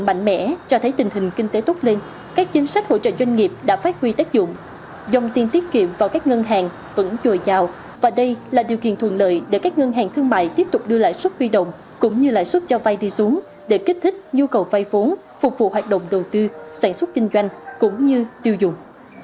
mạnh mẽ cho thấy tình hình kinh tế tốt lên các chính sách hỗ trợ doanh nghiệp đã phát huy tác dụng dòng tiền tiết kiệm vào các ngân hàng vẫn dồi dào và đây là điều kiện thuận lợi để các ngân hàng thương mại tiếp tục đưa lại suất huy động cũng như lãi suất cho vai đi xuống để kích thích nhu cầu vay vốn phục vụ hoạt động đầu tư sản xuất kinh doanh cũng như tiêu dùng